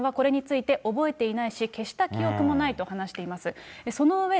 原田さんはこれについて、覚えていないし消した記憶もないと話しています。